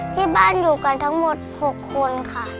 ที่บ้านอยู่กันทั้งหมด๖คนค่ะ